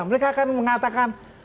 mereka akan mengatakan